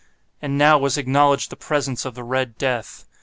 And now was acknowledged the presence of the Red Death.